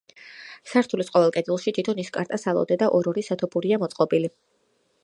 სართულის ყოველ კედელში თითო ნისკარტა სალოდე და ორ-ორი სათოფურია მოწყობილი.